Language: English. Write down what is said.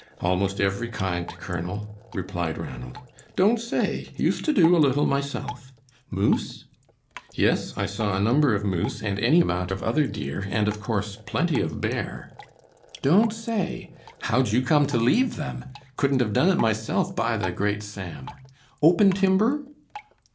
"Almost every kind, Colonel," replied Ranald. "Don't say! Used to do a little myself. Moose?" "Yes, I saw a number of moose and any amount of other deer and, of course, plenty of bear." "Don't say! How'd you come to leave them? Couldn't have done it myself, by the great Sam! Open timber?"